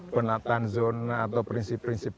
penataan zona atau prinsip prinsip